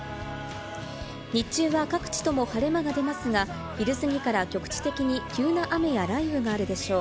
日中は各地とも晴れ間が出ますが、昼すぎから局地的に急な雨や雷雨があるでしょう。